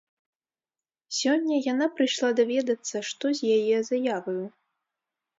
Сёння яна прыйшла даведацца, што з яе заяваю.